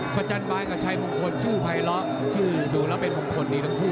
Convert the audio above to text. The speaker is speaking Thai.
จันบายกับชัยมงคลชื่อภัยล้อชื่อดูแล้วเป็นมงคลดีทั้งคู่